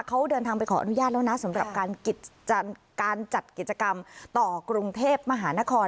เขาเดินทางไปขออนุญาตแล้วนะสำหรับการจัดกิจกรรมต่อกรุงเทพมหานคร